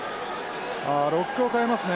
ロックを代えますね。